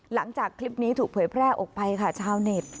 หลังจากคลิปนี้ถูกเผยแพร่ออกไปค่ะชาวเน็ต